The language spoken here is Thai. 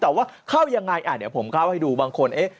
แต่ว่าเข้ายังไงเดี๋ยวผมเข้าให้ดูบางคนเอ๊ะ